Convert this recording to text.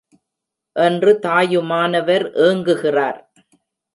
என்று தாயுமானவர் ஏங்குகிறார்.